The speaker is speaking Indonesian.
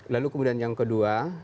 lalu kemudian yang kedua